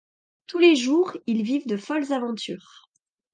Tous les jours, ils vivent de folles aventures.